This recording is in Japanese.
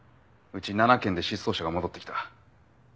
うち７件で失踪者が戻ってきた。